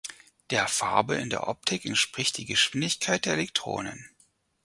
Der Farbe in der Optik entspricht die Geschwindigkeit der Elektronen.